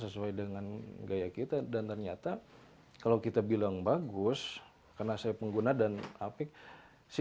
sesuai dengan gaya kita dan ternyata kalau kita bilang bagus karena saya pengguna dan apik si